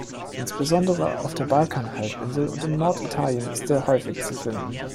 Insbesondere auf der Balkanhalbinsel und im Norditalien ist er häufig zu finden.